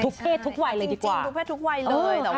ทุกเพศทุกวัยเลยดีกว่า